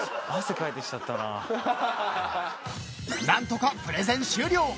［何とかプレゼン終了。